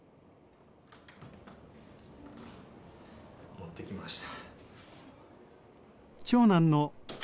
持ってきました。